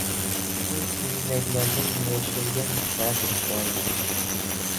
O‘z uyingdagilardan yashirgan dard bormi?